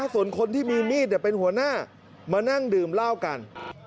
ส่วนคนที่มีมีดเป็นหัวหน้ามานั่งดื่มเหล้ากัน